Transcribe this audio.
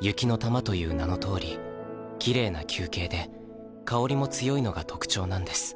雪の玉という名のとおりきれいな球形で香りも強いのが特徴なんです。